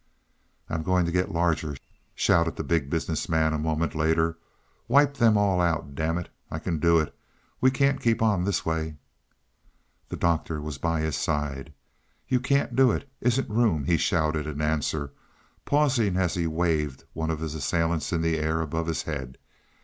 "I'm going to get larger," shouted the Big Business Man a moment later. "Wipe them all out, damn it; I can do it. We can't keep on this way." The Doctor was by his side. "You can't do it isn't room," he shouted in answer, pausing as he waved one of his assailants in the air above his head.